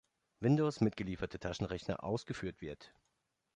Windows mitgelieferte Taschenrechner ausgeführt wird.